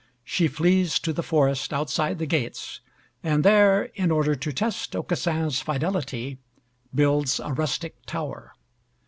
She flees to the forest outside the gates, and there, in order to test Aucassin's fidelity, builds a rustic tower.